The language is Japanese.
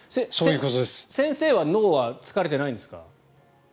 先生は脳は疲れてないんですか？